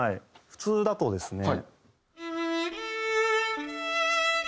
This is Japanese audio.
普通だとですね。